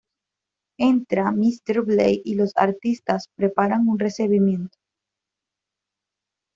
Entra Míster Blay y los artistas preparan un recibimiento.